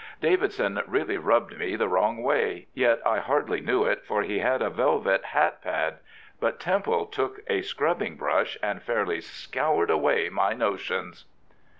" Davidson really rubbed me the wrong way, yet I hardly knew it, for he had a velvet hat pad; but Temple took a scrubbing brush, and fairly scoured away my notions."